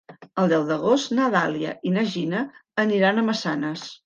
El deu d'agost na Dàlia i na Gina aniran a Massanes.